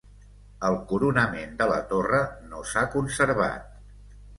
El coronament de la torre no s'ha conservat.